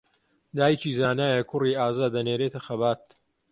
دایکی زانایە کوڕی ئازا دەنێرێتە خەبات